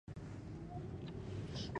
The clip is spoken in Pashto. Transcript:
هوا وویل موږ به هر هغه څه عملي او تعقیبوو.